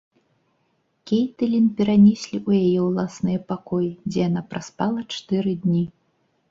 Кейтылін перанеслі ў яе ўласныя пакоі, дзе яна праспала чатыры дні.